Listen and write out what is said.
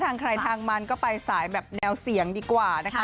ทางใครทางมันก็ไปสายแบบแนวเสียงดีกว่านะคะ